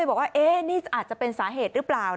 มันนี่อาจจะเป็นสาเหตุรึเปล่า